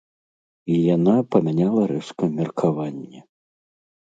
І яна памяняла рэзка меркаванне.